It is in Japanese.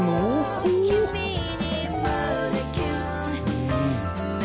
うん。